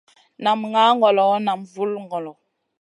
Nam ŋah ŋolo nam vul ŋolo.